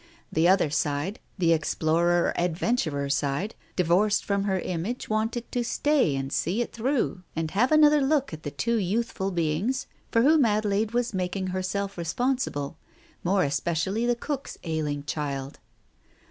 The other side, the explorer adventurer side, divorced from her image, wanted to stay and see it through, and have another look at the two youthful beings for whom Adelaide was making herself responsible, more especially the cook's ailing child.